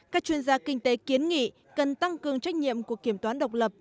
các chuyên gia kinh tế kiến nghị cần tăng cường trách nhiệm của kiểm toán độc lập